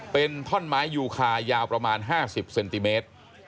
เป็นท่อนไม้ยูคายาวประมาณ๕๐เซนติเมตร